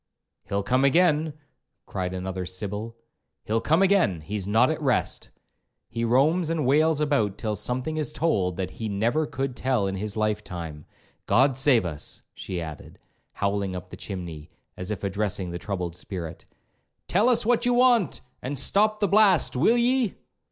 '—'He'll come again,' cried another Sybil, 'he'll come again,—he's not at rest! He roams and wails about till something is told that he never could tell in his life time.—G d save us!' she added, howling up the chimney, as if addressing the troubled spirit; 'tell us what you want, and stop the blast, will ye?'